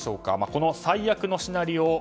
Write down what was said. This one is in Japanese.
この最悪のシナリオ